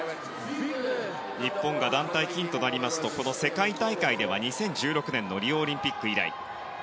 日本が団体金となりますと世界大会では２０１６年のリオオリンピック以来。